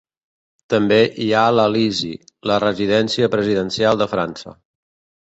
També hi ha l'Elisi, la residència presidencial de França.